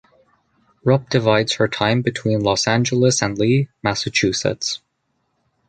Rupp divides her time between Los Angeles and Lee, Massachusetts.